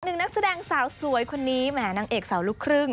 นักแสดงสาวสวยคนนี้แหมนางเอกสาวลูกครึ่ง